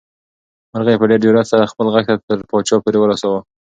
مرغۍ په ډېر جرئت سره خپل غږ تر پاچا پورې ورساوه.